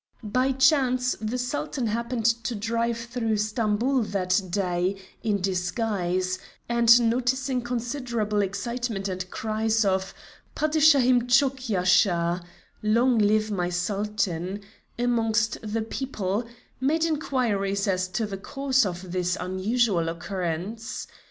By chance the Sultan happened to drive through Stamboul that day, in disguise, and noticing considerable excitement and cries of "Padishahim chok yasha" (long live my Sultan) amongst the people, made inquiries as to the cause of this unusual occurrence.